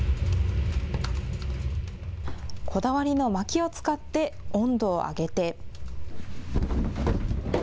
こだわりのまきを使って温度を上げて。